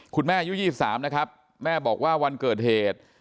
อายุ๒๓นะครับแม่บอกว่าวันเกิดเหตุ